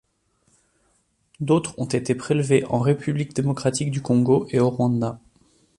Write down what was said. D'autres ont été prélevés en République démocratique du Congo et au Rwanda.